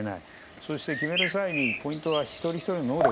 そして、決める際にポイントは一人ひとりの能力。